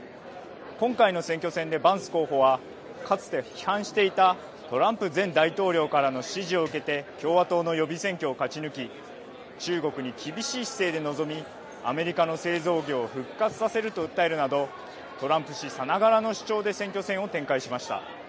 今回の選挙戦でバンス候補はかつて批判していたトランプ前大統領からの支持を受けて共和党の予備選挙を勝ち抜き中国に厳しい姿勢で臨みアメリカの製造業を復活させると訴えるなどトランプ氏さながらの主張で選挙戦を展開しました。